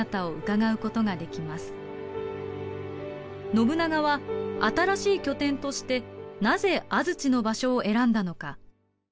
信長は新しい拠点としてなぜ安土の場所を選んだのか？